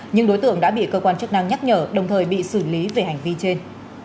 nhưng đối tượng đã bị cơ quan chức năng nhắc nhở đồng thời bị xử lý về hành vi trên